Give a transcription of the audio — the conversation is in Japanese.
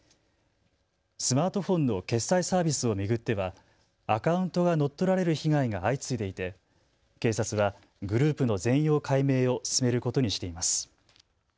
スマートフォンの決済サービスを巡ってはアカウントが乗っ取られる被害が相次いでいて警察はグループの全容解明を進めることにしています。